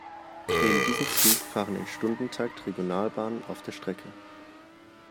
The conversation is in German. Neben diesem Zug fahren im Stundentakt Regionalbahnen auf der Strecke.